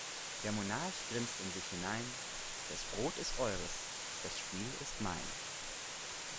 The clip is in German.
Der Monarch grinst in sich hinein: Das Brot ist eures, das Spiel ist mein.